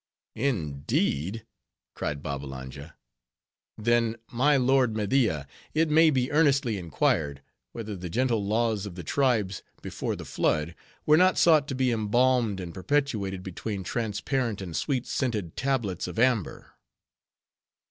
"Indeed?" cried Babbalanja. "Then, my lord Media, it may be earnestly inquired, whether the gentle laws of the tribes before the flood, were not sought to be embalmed and perpetuated between transparent and sweet scented tablets of amber."